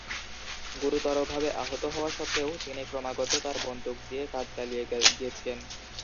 গুরুতরভাবে আহত হওয়া সত্ত্বেও, তিনি ক্রমাগত তার বন্দুক দিয়ে কাজ চালিয়ে গিয়েছেন।